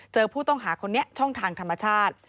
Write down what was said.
เจอผู้ต้องหาคนนี้ช่องทางธรรมชาติ